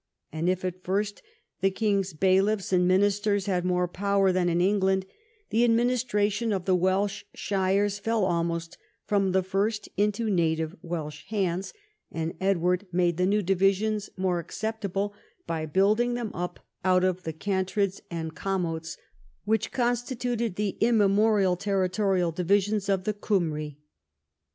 And if at first the king's bailiffs and ministers had more power than in England, the administration of the Welsh shires fell almost from the first into native AVelsh hands, and Edward made the new divisions more acceptable, by building them up out of the cantreds and commots which constituted the immemorial territorial divisions of the Cymry.